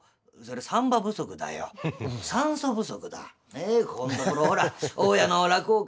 ねえここんところほら大家の落語家